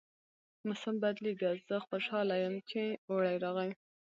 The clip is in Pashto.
موسم بدلیږي او زه خوشحاله یم چې اوړی راغی